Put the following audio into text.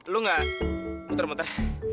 lu gak muter muter